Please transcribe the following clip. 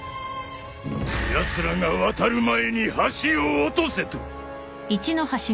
やつらが渡る前に橋を落とせと！